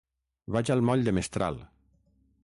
Vaig al moll de Mestral.